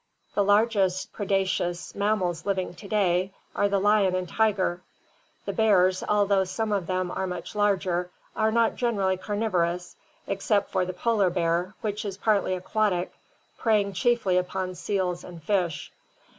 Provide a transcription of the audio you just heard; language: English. The largest predaceous mammals living to day are the lion and tiger. The bears, although some of them are much larger, are not generally carnivorous, except for the polar bear, which is partly aquatic, preying chiefly upon seals and fish.